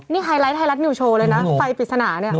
นี่ไฮไลท์ไทยรัฐนิวโชว์เลยนะไฟปริศนาเนี่ย